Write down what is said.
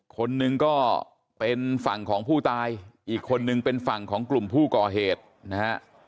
คนหนึ่งก็เป็นฝั่งของผู้ตายอีกคนนึงเป็นฝั่งของกลุ่มผู้ก่อเหตุนะฮะ